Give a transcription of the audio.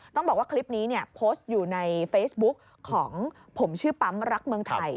ต้องบอกว่าคลิปนี้โพสต์อยู่ในเฟซบุ๊กของผมชื่อปั๊มรักเมืองไทย